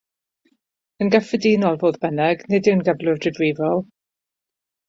Yn gyffredinol, fodd bynnag, nid yw'n gyflwr difrifol.